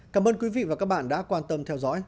cảm ơn quý vị và các bạn đã quan tâm theo dõi